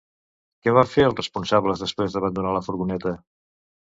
Què van fer els responsables després d'abandonar la furgoneta?